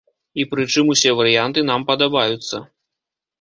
І пры чым усе варыянты нам падабаюцца.